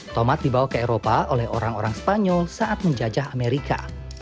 tomat dibawa ke eropa oleh orang orang spanyol saat menjajah amerika